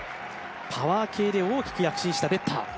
パワー系で大きく躍進したベッター。